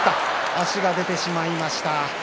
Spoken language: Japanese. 足が出てしまいました。